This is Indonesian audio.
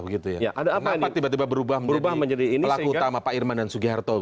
kenapa tiba tiba berubah merubah pelaku utama pak irman dan sugiharto